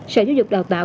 sở giáo dục đào tạo